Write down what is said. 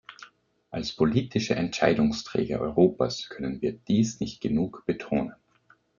Als politische Entscheidungsträger Europas können wir dies nicht genug betonen.